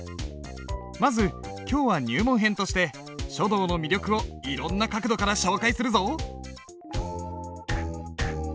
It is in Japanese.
まず今日は入門編として書道の魅力をいろんな角度から紹介するぞ。